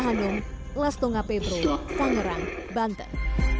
manum las tunggapetro pangerang banten